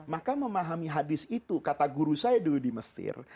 maka memahami hadis itu kata guru saya dulu di mesir